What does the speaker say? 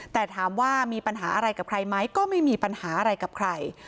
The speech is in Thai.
แต่ถามว่ามีปัญหาอะไรกับใครไหมก็ไม่มีปัญหาอะไรกับใคร